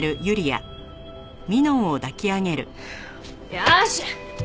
よし！